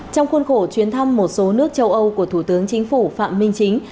trong khuôn khổ chuyến thăm một số nước châu âu của thủ tướng chính phủ phạm minh chính